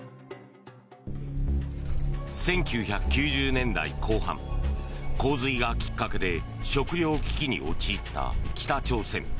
１９９０年代後半洪水がきっかけで食糧危機に陥った北朝鮮。